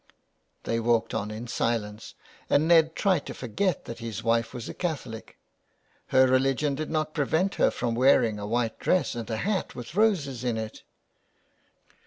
They walked on in silence, and Ned tried to forget that his wife was a Catholic. Her religion did not prevent her from wearing a white dress and a hat with roses in it.